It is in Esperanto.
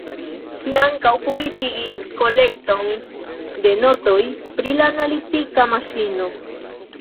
Ŝi ankaŭ publikigis kolekton de notoj pri la analitika maŝino.